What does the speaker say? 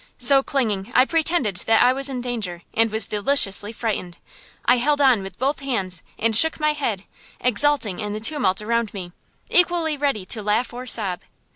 So clinging, I pretended that I was in danger, and was deliciously frightened; I held on with both hands, and shook my head, exulting in the tumult around me, equally ready to laugh or sob.